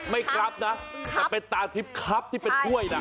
ไม่ครับนะแต่เป็นตาทิพย์ครับที่เป็นถ้วยนะ